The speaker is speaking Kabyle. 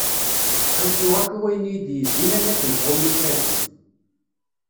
Ttḥussuɣ akk i wayen yi-d-yezzin am wakken tɣumm-it tagut.